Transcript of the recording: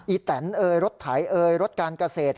อี๋แตนเอยลดไถเอยลดการเกษตร